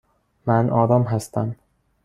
من آرام هستم.